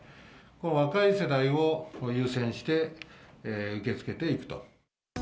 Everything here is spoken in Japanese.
若い世代を優先して受け付けていくと。